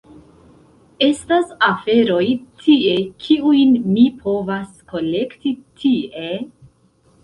Estas aferoj tie, kiujn mi povas kolekti tie…